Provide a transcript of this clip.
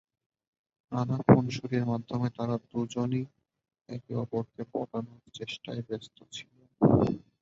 নানা খুনসুটির মাধ্যমে তাঁরা দুজনই একে অপরকে পটানোর চেষ্টায় ব্যস্ত ছিলেন।